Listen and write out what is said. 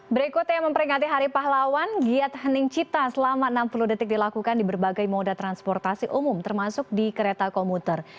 berikutnya memperingati hari pahlawan giat hening cipta selama enam puluh detik dilakukan di berbagai moda transportasi umum termasuk di kereta komuter